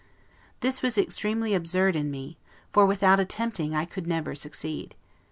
This was extremely absurd in me: for, without attempting, I could never succeed.